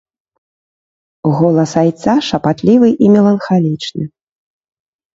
Голас айца шапатлівы і меланхалічны.